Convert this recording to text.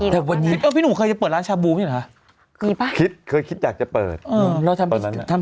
จิ้มจุ่มหนุ่มกันชัยอย่างเงี้ยใช่มะถ้าตอนนั้น